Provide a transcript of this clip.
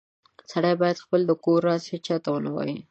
سړی باید خپل د کور راز هیچاته و نه وایې